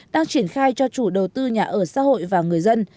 đang triển khai cho chủ đầu tư nhà ở xã hội và người dân